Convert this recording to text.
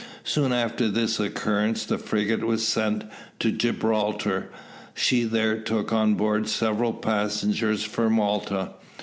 Soon after this occurrence, the frigate was sent to Gibraltar. She there took on board several passengers for Malta.